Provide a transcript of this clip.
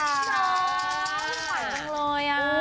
อ๋อสงสัยกันเลย